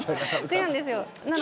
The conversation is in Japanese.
違うんですよ。